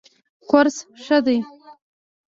کورس ښه دی.